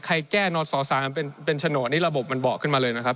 แก้นส๓เป็นโฉนดนี่ระบบมันเบาะขึ้นมาเลยนะครับ